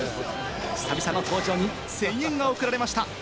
久々の登場に声援が送られました。